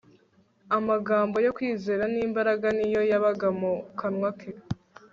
Amagambo yo kwizera nimbaraga ni yo yabaga mu kanwa ke